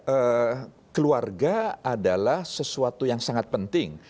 eh keluarga adalah sesuatu yang sangat penting